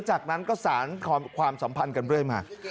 จากนั้นก็สารความสัมพันธ์กันเรื่อยมา